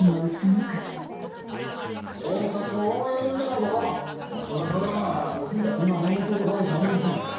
・今もめている場合じゃありません。